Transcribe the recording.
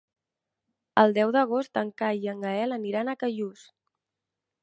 El deu d'agost en Cai i en Gaël aniran a Callús.